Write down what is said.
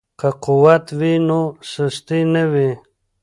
که قوت وي نو سستي نه وي.